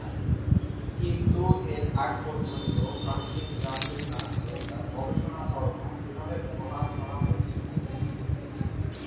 কিন্তু এর আগ পর্যন্ত ফ্রাঙ্কলিন জানতেন না যে তাঁর গবেষণাকর্ম এভাবে ব্যবহার করা হয়েছে।